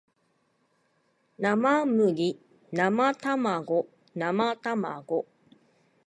生麦生卵生卵